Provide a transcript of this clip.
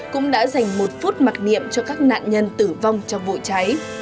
cũng đã dành một phút mặc niệm cho các nạn nhân tử vong trong vụ cháy